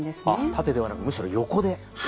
縦ではなくむしろ横で。